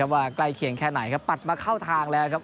ว่าใกล้เคียงแค่ไหนครับปัดมาเข้าทางแล้วครับ